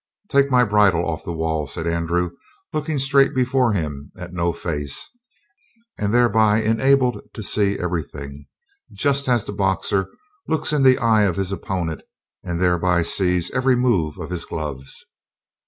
"Take my bridle off the wall," said Andrew, looking straight before him at no face, and thereby enabled to see everything, just as a boxer looks in the eye of his opponent and thereby sees every move of his gloves.